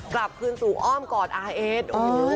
กลับคืนสู่อ้อมกอดอาร์เอส